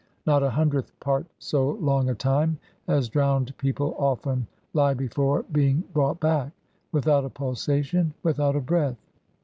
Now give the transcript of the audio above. Not a hundredth part so long a time as drowned people often lie before being brought back, without a pulsation, without a breath.